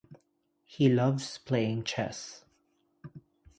He loves playing chess.